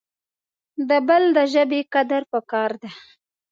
د بل دژبي قدر پکار د